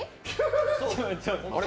あれ？